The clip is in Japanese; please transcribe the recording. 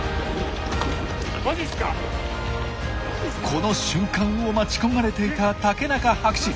この瞬間を待ち焦がれていた竹中博士。